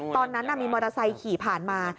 ตอนนั้นมีมอเตอร์ไซค์ขี่ผ่านมา